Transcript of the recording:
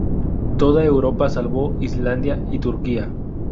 Toda Europa salvo Islandia y Turquía.